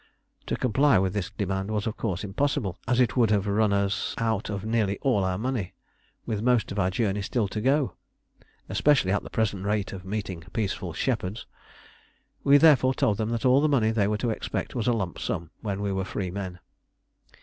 To comply with this demand was of course impossible, as it would have run us out of nearly all our money, with most of our journey still to go especially at the present rate of meeting peaceful shepherds. We therefore told them that all the money they were to expect was a lump sum when we were free men.